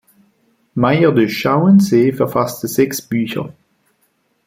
Meyer de Schauensee verfasste sechs Bücher.